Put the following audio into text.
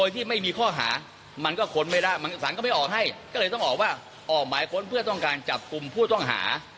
แต่สารก็ไม่ออกให้ก็เลยต้องออกว่าออกหมายค้นเพื่อต้องการจับกลุ่มผู้ต้องหา